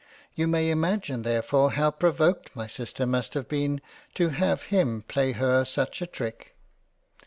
You may imagine therefore how provoked my Sister must have been to have 70 £ LESLEY CASTLE £ him play her such a trick.